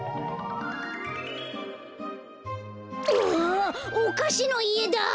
うわおかしのいえだ！